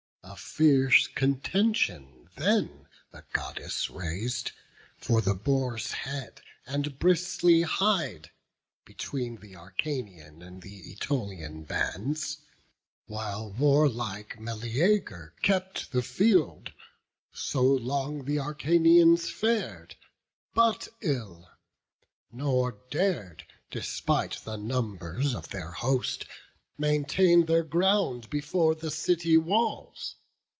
A fierce contention then the Goddess rais'd, For the boar's head and bristly hide, between The Acarnanian and th' Ætolian bands. While warlike Meleager kept the field, So long the Acarnanians far'd but ill; Nor dar'd, despite the numbers of their host, Maintain their ground before the city walls.